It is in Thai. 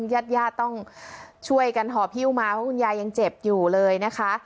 ญาติญาติต้องช่วยกันหอบฮิ้วมาเพราะคุณยายยังเจ็บอยู่เลยนะคะ